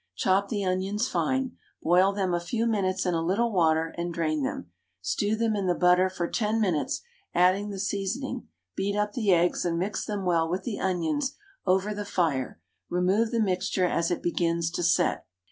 Chop the onions fine, boil them a few minutes in a little water, and drain them; stew them in the butter for 10 minutes, adding the seasoning beat up the eggs and mix them well with the onions over the fire, remove the mixture as it begins to set.